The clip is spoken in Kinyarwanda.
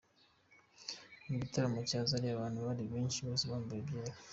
Mu gitaramo cya Zari abantu bari benshi bose bambaye ibyera.